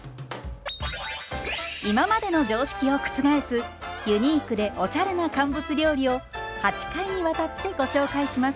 今までの常識を覆すユニークでおしゃれな乾物料理を８回にわたってご紹介します。